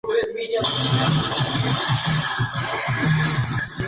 Se opone al neoliberalismo y a la pertenencia de Irlanda a la Unión Europea.